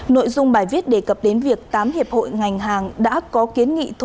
nội dung bài viết đề cập đến việc tám hiệp hội ngành hàng đã có kiến nghị thủ tướng chính phủ